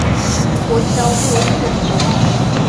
Ончалде от керт, товат: